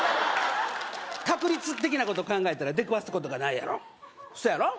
確率的なこと考えたら出くわすことがないやろそやろ？